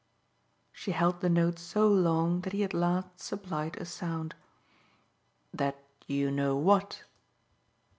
She held the note so long that he at last supplied a sound. "That you know what?"